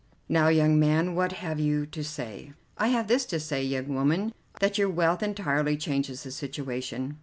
Now, young man, what have you to say?" "I have this to say, young woman, that your wealth entirely changes the situation."